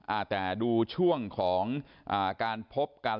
อ่าแต่ดูช่วงของอ่าการพบกัน